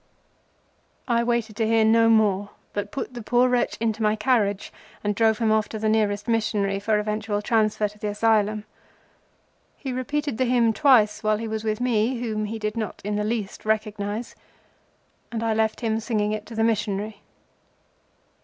I waited to hear no more, but put the poor wretch into my carriage and drove him off to the nearest missionary for eventual transfer to the Asylum. He repeated the hymn twice while he was with me whom he did not in the least recognize, and I left him singing to the missionary.